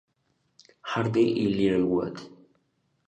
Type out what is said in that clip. Hardy y Littlewood.